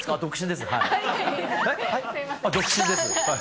独身です。